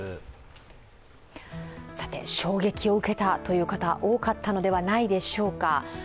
衝撃を受けたという方多かったのではないでしょうか。